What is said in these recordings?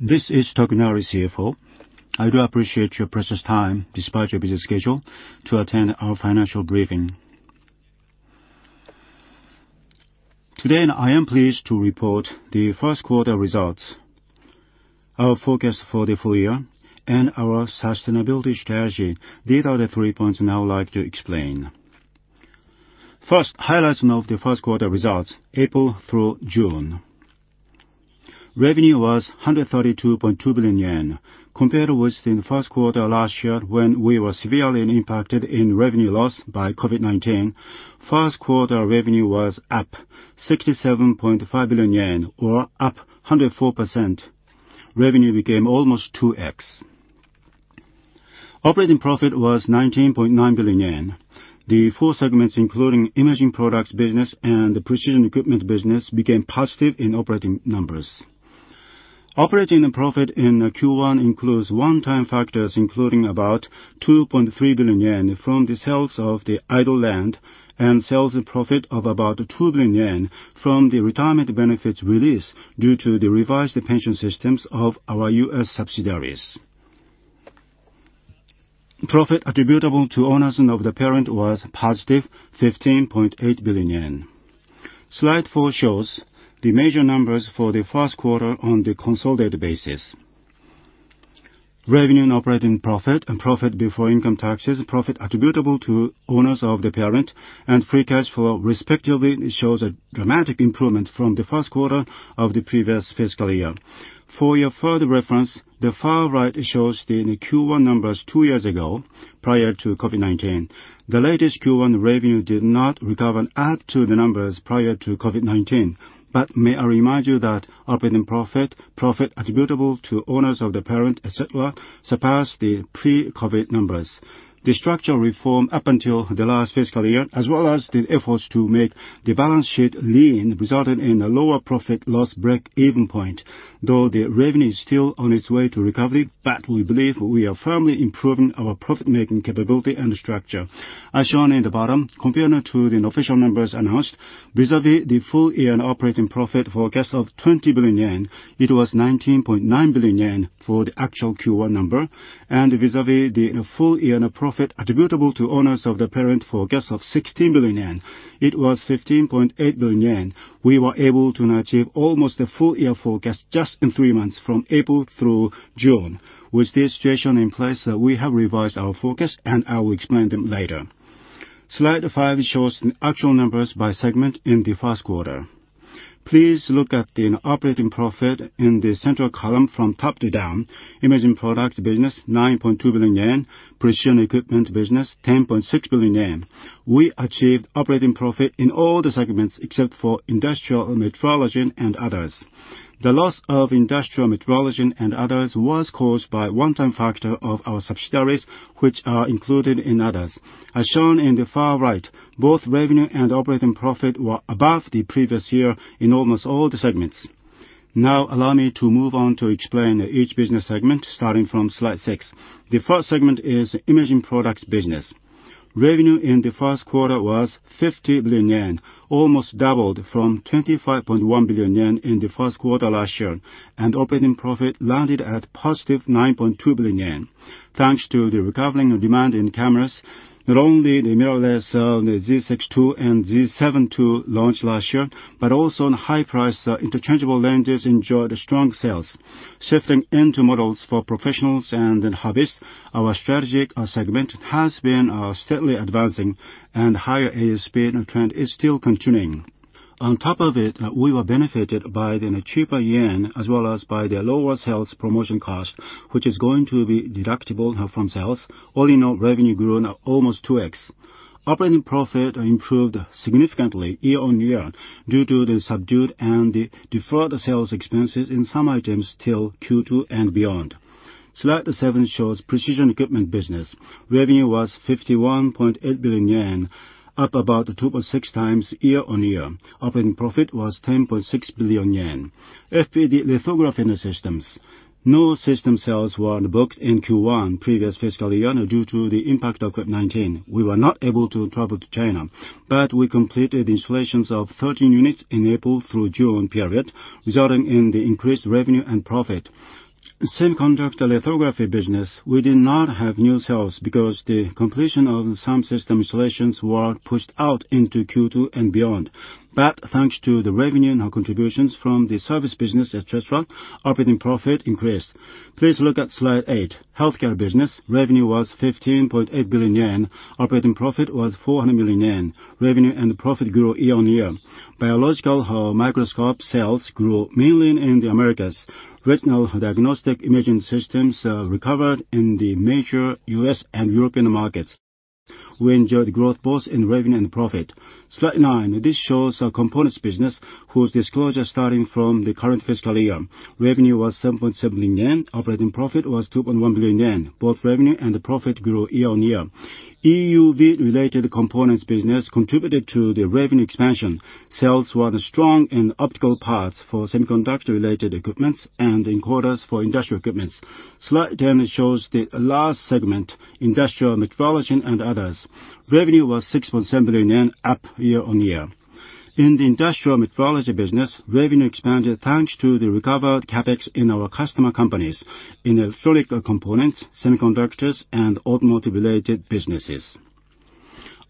This is Tokunari, CFO. I do appreciate your precious time despite your busy schedule to attend our financial briefing. Today, I am pleased to report the first quarter results, our forecast for the full year, and our sustainability strategy. These are the three points I would like to explain. First, highlights of the first quarter results, April through June. Revenue was 132.2 billion yen compared with the first quarter last year, when we were severely impacted in revenue loss by COVID-19. First quarter revenue was up 67.5 billion yen, or up 104%. Revenue became almost 2x. Operating profit was 19.9 billion yen. The four segments, including Imaging Products Business and the Precision Equipment Business, became positive in operating numbers. Operating profit in Q1 includes one-time factors, including about 2.3 billion yen from the sales of the idle land and sales profit of about 2 billion yen from the retirement benefits release due to the revised pension systems of our U.S. subsidiaries. Profit attributable to owners of the parent was positive, 15.8 billion yen. Slide four shows the major numbers for the first quarter on the consolidated basis. Revenue and operating profit before income taxes, profit attributable to owners of the parent, and free cash flow respectively shows a dramatic improvement from the first quarter of the previous fiscal year. For your further reference, the far right shows the Q1 numbers two years ago, prior to COVID-19. The latest Q1 revenue did not recover up to the numbers prior to COVID-19. May I remind you that operating profit attributable to owners of the parent, et cetera, surpassed the pre-COVID-19 numbers. The structural reform up until the last fiscal year, as well as the efforts to make the balance sheet lean, resulted in a lower profit loss break-even point, though the revenue is still on its way to recovery. We believe we are firmly improving our profit-making capability and structure. As shown in the bottom, compared to the official numbers announced, vis-à-vis the full-year operating profit forecast of 20 billion yen, it was 19.9 billion yen for the actual Q1 number, and vis-à-vis the full-year net profit attributable to owners of the parent forecast of 16 billion yen, it was 15.8 billion yen. We were able to achieve almost a full-year forecast just in three months from April through June. With this situation in place, we have revised our forecast, and I will explain them later. Slide five shows the actual numbers by segment in the 1st quarter. Please look at the operating profit in the center column from top to down. Imaging Products Business, 9.2 billion yen. Precision Equipment Business, 10.6 billion yen. We achieved operating profit in all the segments except for Industrial Metrology and others. The loss of Industrial Metrology and others was caused by one-time factor of our subsidiaries, which are included in others. As shown in the far right, both revenue and operating profit were above the previous year in almost all the segments. Now, allow me to move on to explain each business segment starting from slide six. The 1st segment is Imaging Products Business. Revenue in the first quarter was 50 billion yen, almost doubled from 25.1 billion yen in the first quarter last year, and operating profit landed at positive 9.2 billion yen. Thanks to the recovering demand in cameras, not only the mirrorless Z6 II and Z7 II launched last year, but also high-priced interchangeable lenses enjoyed strong sales. Shifting into models for professionals and then hobbyists, our strategic segment has been steadily advancing, and higher ASP trend is still continuing. On top of it, we were benefited by the cheaper yen as well as by the lower sales promotion cost, which is going to be deductible from sales. All in all, revenue grew almost 2x. Operating profit improved significantly year-on-year due to the subdued and the deferred sales expenses in some items till Q2 and beyond. Slide seven shows Precision Equipment Business. Revenue was 51.8 billion yen, up about 2.6x year-on-year. Operating profit was 10.6 billion yen. FPD lithography systems. No system sales were booked in Q1 previous fiscal year due to the impact of COVID-19. We were not able to travel to China, we completed installations of 13 units in April through June period, resulting in the increased revenue and profit. Semiconductor lithography business, we did not have new sales because the completion of some system installations were pushed out into Q2 and beyond. Thanks to the revenue and contributions from the service business, et cetera, operating profit increased. Please look at slide eight. Healthcare Business, revenue was 15.8 billion yen. Operating profit was 400 million yen. Revenue and profit grew year-on-year. Biological microscope sales grew mainly in the Americas. Retinal diagnostic imaging systems recovered in the major U.S. and European markets. We enjoyed growth both in revenue and profit. Slide nine. This shows our Components Business, whose disclosure starting from the current fiscal year. Revenue was 7.7 billion yen. Operating profit was 2.1 billion yen. Both revenue and profit grew year-on-year. EUV-related Components Business contributed to the revenue expansion. Sales were strong in optical parts for semiconductor-related equipments and encoders for industrial equipments. Slide 10 shows the last segment, Industrial Metrology and others. Revenue was 6.7 billion yen, up year-on-year. In the Industrial Metrology Business, revenue expanded thanks to the recovered CapEx in our customer companies, in electronic components, semiconductors, and automotive-related businesses.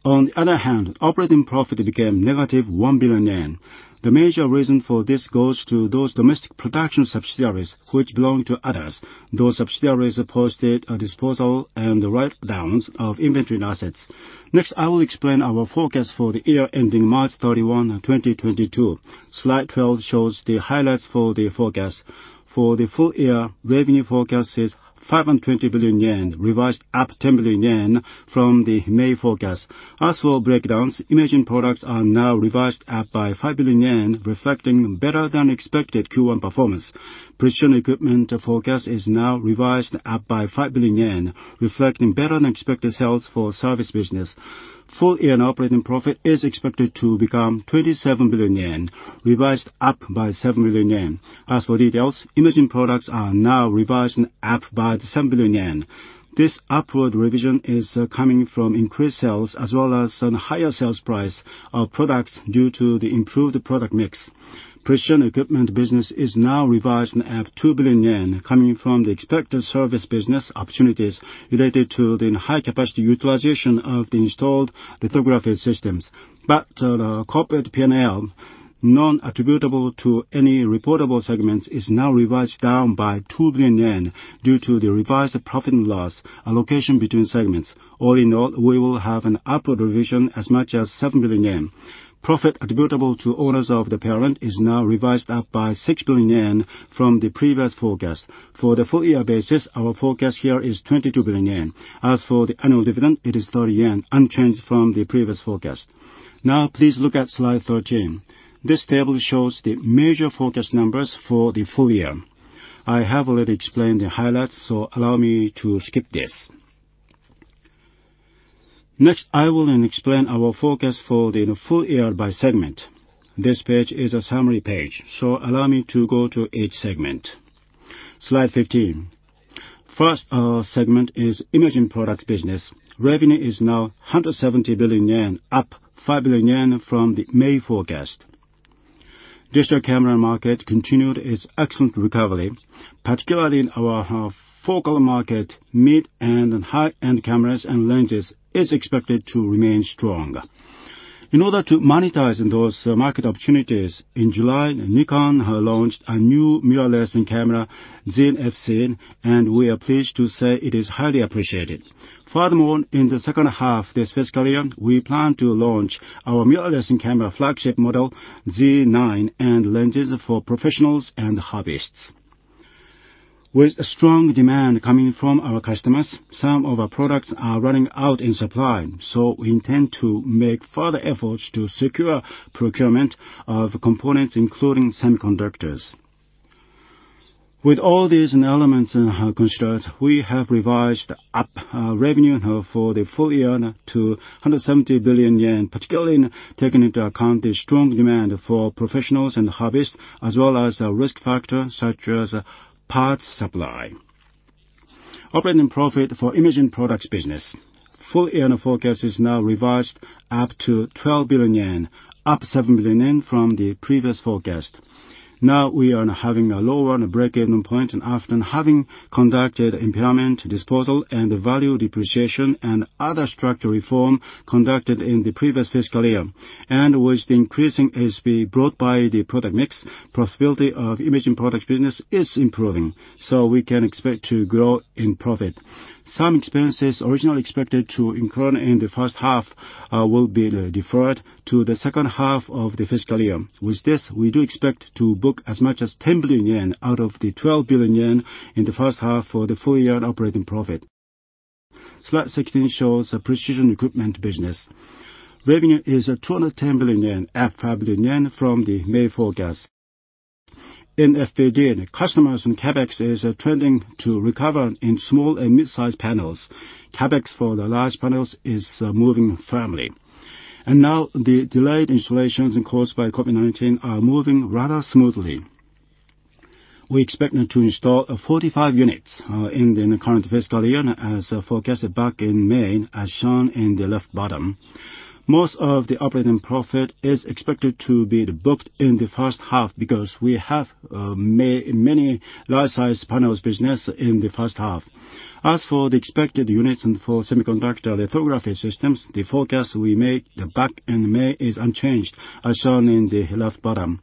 On the other hand, operating profit became -1 billion yen. The major reason for this goes to those domestic production subsidiaries which belong to others. Those subsidiaries posted a disposal and write-downs of inventory and assets. Next, I will explain our forecast for the year ending March 31, 2022. Slide 12 shows the highlights for the forecast. For the full year, revenue forecast is 520 billion yen, revised up 10 billion yen from the May forecast. As for breakdowns, Imaging Products are now revised up by 5 billion yen, reflecting better than expected Q1 performance. Precision Equipment forecast is now revised up by 5 billion yen, reflecting better than expected sales for service business. Full year operating profit is expected to become 27 billion yen, revised up by 7 billion yen. As for details, Imaging Products are now revised up by 7 billion yen. This upward revision is coming from increased sales as well as on higher sales price of products due to the improved product mix. Precision Equipment Business is now revised up 2 billion yen, coming from the expected service business opportunities related to the high capacity utilization of the installed lithography systems. The corporate P&L, non-attributable to any reportable segments, is now revised down by 2 billion yen due to the revised profit and loss allocation between segments. All in all, we will have an upward revision as much as 7 billion yen. Profit attributable to owners of the parent is now revised up by 6 billion yen from the previous forecast. For the full year basis, our forecast here is 22 billion yen. As for the annual dividend, it is 30 yen, unchanged from the previous forecast. Please look at slide 13. This table shows the major forecast numbers for the full year. I have already explained the highlights, so allow me to skip this. Next, I will explain our forecast for the full year by segment. This page is a summary page, so allow me to go to each segment. Slide 15. First segment is Imaging Products Business. Revenue is now 170 billion yen, up 5 billion yen from the May forecast. Digital camera market continued its excellent recovery, particularly in our focal market, mid- and high-end cameras and lenses is expected to remain strong. In order to monetize those market opportunities, in July, Nikon launched a new mirrorless camera, Z fc, and we are pleased to say it is highly appreciated. In the second half this fiscal year, we plan to launch our mirrorless camera flagship model, Z9, and lenses for professionals and hobbyists. With strong demand coming from our customers, some of our products are running out in supply, so we intend to make further efforts to secure procurement of components, including semiconductors. With all these elements considered, we have revised up our revenue for the full year to 170 billion yen, particularly taking into account the strong demand for professionals and hobbyists, as well as risk factors such as parts supply. Operating profit for Imaging Products Business full year forecast is now revised up to 12 billion yen, up 7 billion yen from the previous forecast. We are having a lower break-even point after having conducted impairment, disposal, and value depreciation and other structural reform conducted in the previous fiscal year. With the increasing ASP brought by the product mix, profitability of Imaging Products Business is improving, so we can expect to grow in profit. Some expenses originally expected to incur in the first half will be deferred to the second half of the fiscal year. With this, we do expect to book as much as 10 billion yen out of the 12 billion yen in the first half for the full year operating profit. Slide 16 shows Precision Equipment Business. Revenue is 210 billion yen, up 5 billion yen from the May forecast. In FPD, customers and CapEx is trending to recover in small and mid-size panels. CapEx for the large panels is moving firmly. Now the delayed installations caused by COVID-19 are moving rather smoothly. We expect to install 45 units in the current fiscal year as forecasted back in May, as shown in the left bottom. Most of the operating profit is expected to be booked in the first half because we have many large size panels business in the first half. As for the expected units for semiconductor lithography systems, the forecast we made back in May is unchanged, as shown in the left bottom.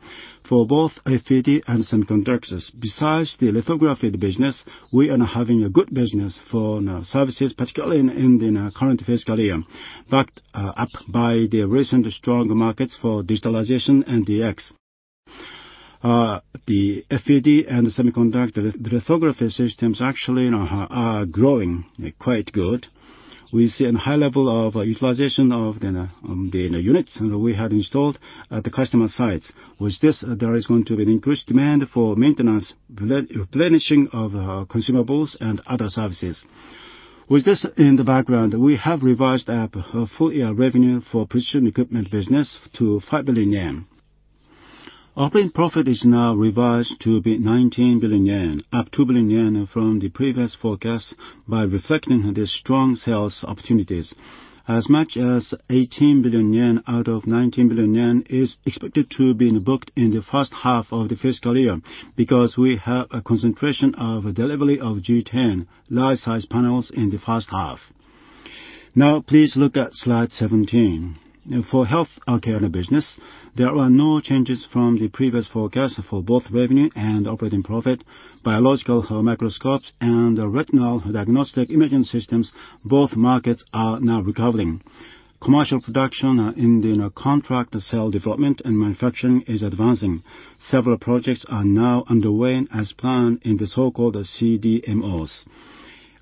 For both FPD and semiconductors, besides the lithography business, we are having a good business for services, particularly in the current fiscal year, backed up by the recent strong markets for digitalization and DX. The FPD and semiconductor lithography systems actually are growing quite good. We see a high level of utilization of the units we had installed at the customer sites. With this, there is going to be an increased demand for maintenance, replenishing of consumables and other services. With this in the background, we have revised up our full year revenue for Precision Equipment Business to 5 billion yen. Operating profit is now revised to be 19 billion yen, up 2 billion yen from the previous forecast by reflecting the strong sales opportunities. As much as 18 billion yen out of 19 billion yen is expected to be booked in the first half of the fiscal year because we have a concentration of delivery of Gen 10.5 size panels in the first half. Please look at slide 17. For Healthcare Business, there are no changes from the previous forecast for both revenue and operating profit. Biological microscopes and retinal diagnostic imaging systems, both markets are now recovering. Commercial production in the contract for cell development and manufacturing is advancing. Several projects are now underway as planned in the so-called CDMOs.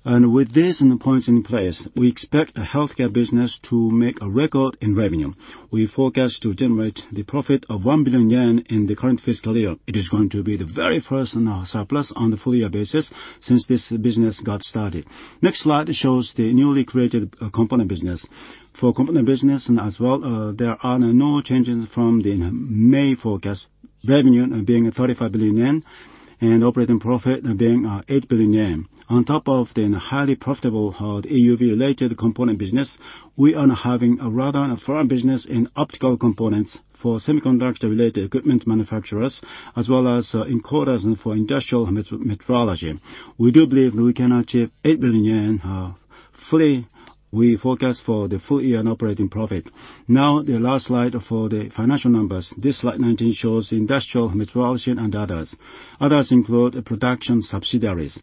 With these points in place, we expect the Healthcare Business to make a record in revenue. We forecast to generate the profit of 1 billion yen in the current fiscal year. It is going to be the very first surplus on the full year basis since this business got started. Next slide shows the newly created Components Business. For Components Business as well, there are no changes from the May forecast, revenue being 35 billion yen and operating profit being 8 billion yen. On top of the highly profitable EUV-related Components Business, we are having a rather firm business in optical components for semiconductor-related equipment manufacturers, as well as encoders for Industrial Metrology. We do believe we can achieve 8 billion yen fully. We forecast for the full year operating profit. The last slide for the financial numbers. This slide 19 shows Industrial Metrology and others. Others include production subsidiaries.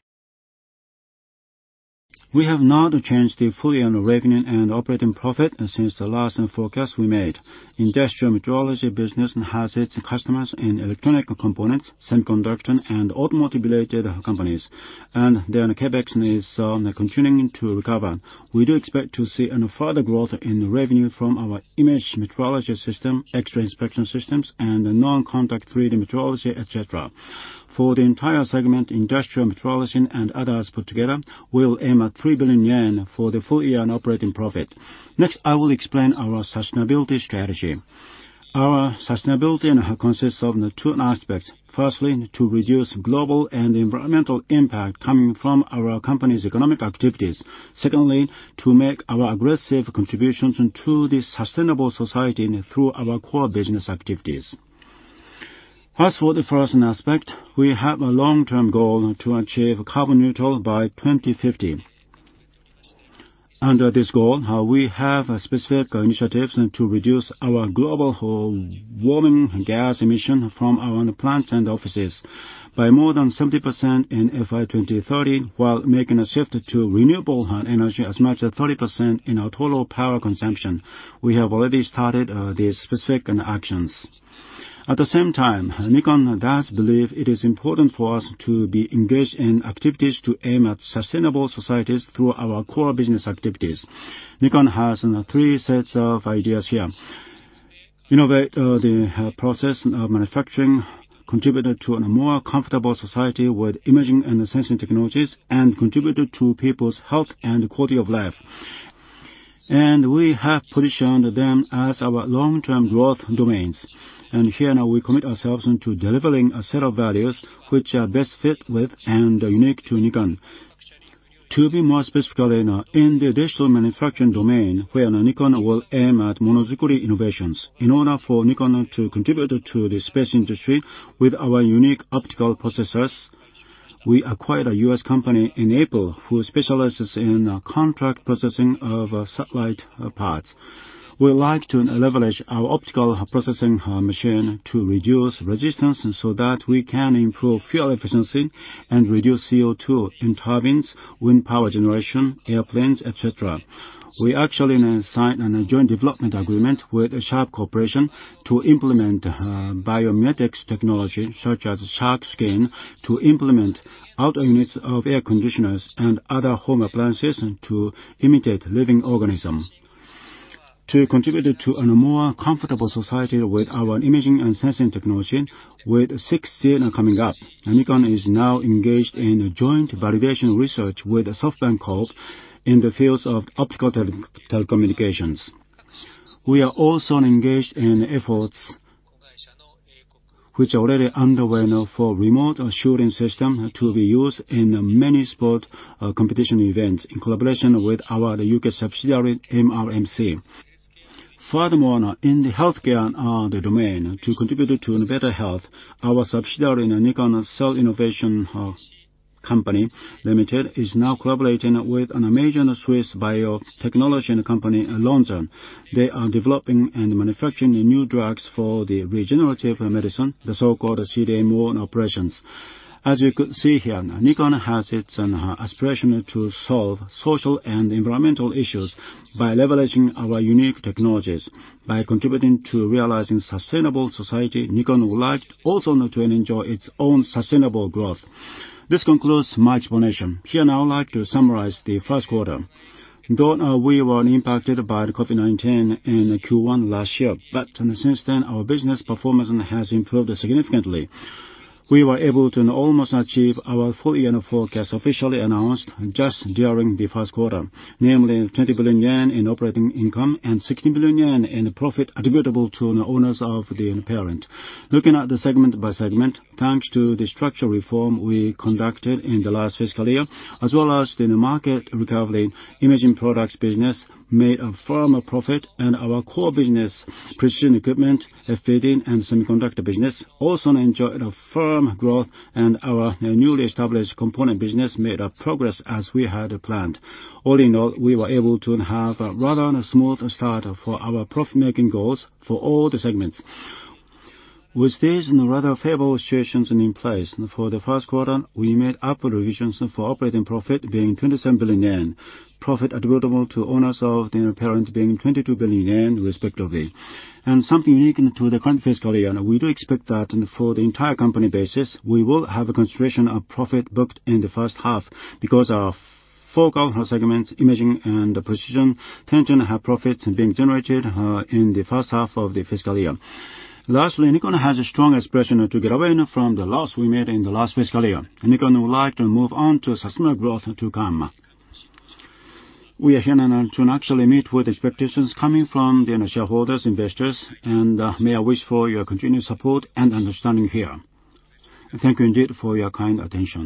We have not changed the full year revenue and operating profit since the last forecast we made. Industrial Metrology Business has its customers in electronic components, semiconductor, and automotive-related companies, and their CapEx is continuing to recover. We do expect to see further growth in revenue from our image metrology system, X-ray inspection systems, and non-contact 3D metrology, et cetera. For the entire segment, Industrial Metrology and others put together, we will aim at 3 billion yen for the full year in operating profit. Next, I will explain our sustainability strategy. Our sustainability consists of two aspects. Firstly, to reduce global and environmental impact coming from our company's economic activities. Secondly, to make our aggressive contributions to the sustainable society through our core business activities. As for the first aspect, we have a long-term goal to achieve carbon neutral by 2050. Under this goal, we have specific initiatives to reduce our global warming gas emission from our plants and offices by more than 70% in FY 2030 while making a shift to renewable energy as much as 30% in our total power consumption. We have already started these specific actions. At the same time, Nikon does believe it is important for us to be engaged in activities to aim at sustainable societies through our core business activities. Nikon has three sets of ideas here. Innovate the process of manufacturing, contribute to a more comfortable society with imaging and sensing technologies, and contribute to people's health and quality of life. We have positioned them as our long-term growth domains. Here now we commit ourselves to delivering a set of values which are best fit with and unique to Nikon. To be more specific, in the Digital Manufacturing domain, where Nikon will aim at Monodzukuri innovations. In order for Nikon to contribute to the space industry with our unique optical processes, we acquired a U.S. company, Morf3D Inc., who specializes in contract processing of satellite parts. We like to leverage our optical processing machine to reduce resistance so that we can improve fuel efficiency and reduce CO2 in turbines, wind power generation, airplanes, et cetera. We actually signed a joint development agreement with Sharp Corporation to implement biomimetics technology such as shark skin, to implement outer units of air conditioners and other home appliances to imitate living organisms. To contribute to a more comfortable society with our imaging and sensing technology with 6G coming up, Nikon is now engaged in a joint validation research with SoftBank Corp. in the fields of optical telecommunications. We are also engaged in efforts which are already underway now for remote assurance system to be used in many sport competition events in collaboration with our U.K. subsidiary, MRMC. Furthermore, in the Healthcare Business domain, to contribute to better health, our subsidiary, Nikon CeLL innovation Co., Ltd., is now collaborating with a major Swiss biotechnology company, Lonza. They are developing and manufacturing new drugs for the regenerative medicine, the so-called CDMO operations. As you could see here, Nikon has its aspiration to solve social and environmental issues by leveraging our unique technologies. By contributing to realizing sustainable society, Nikon would like also to enjoy its own sustainable growth. This concludes my explanation. Here now I would like to summarize the first quarter. Though we were impacted by the COVID-19 in Q1 last year, but since then, our business performance has improved significantly. We were able to almost achieve our full year forecast officially announced just during the first quarter, namely 20 billion yen in operating income and 16 billion yen in profit attributable to owners of the parent. Looking at the segment by segment, thanks to the structural reform we conducted in the last fiscal year, as well as the market recovery, Imaging Products Business made a firm profit and our core business, Precision Equipment Business, also enjoyed a firm growth and our newly established Components Business made progress as we had planned. All in all, we were able to have a rather smooth start for our profit-making goals for all the segments. With these rather favorable situations in place, for the first quarter, we made upward revisions for operating profit being 27 billion yen, profit attributable to owners of the parent being 22 billion yen, respectively. Something unique to the current fiscal year, we do expect that for the entire company basis, we will have a concentration of profit booked in the first half because our focal segments, Imaging and Precision, tend to have profits being generated in the first half of the fiscal year. Lastly, Nikon has a strong aspiration to get away from the loss we made in the last fiscal year, and Nikon would like to move on to sustainable growth to come. We are here to actually meet with expectations coming from the shareholders, investors, and may I wish for your continued support and understanding here. Thank you indeed for your kind attention.